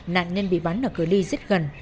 nạn nhân bị bắn ở cửa ly rất gần